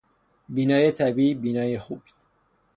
بینایی طبیعی، بینایی خوب